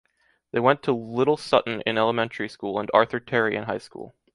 They went to Little Sutton in elementary school and Arthur Terry in high school.